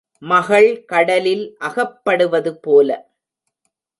மகள் கடலில் அகப்படுவதுபோல.